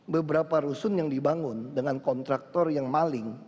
beberapa rusun yang dibangun dengan kontraktor yang maling